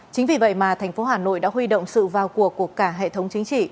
chính vì vậy mà thành phố hà nội đã huy động sự vào cuộc của cả hệ thống chính trị